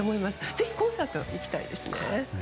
ぜひコンサート行きたいですね。